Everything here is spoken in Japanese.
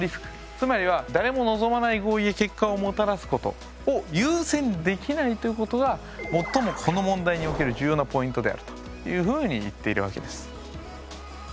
つまりは誰も望まない合意や結果をもたらすことを優先できないということが最もこの問題における重要なポイントであるというふうに言っているわけです。